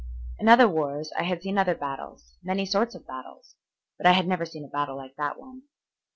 In other wars I had seen other battles, many sorts of battles, but I had never seen a battle like that one.